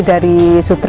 dari bahan bahan turki